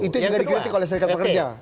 itu juga dikritik oleh serikat pekerja